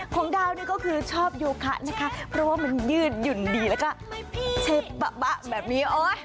ของดาวนี่ก็คือชอบโยคะนะคะเพราะว่ามันยืดหยุ่นดีแล้วก็เชฟบะแบบนี้โอ๊ย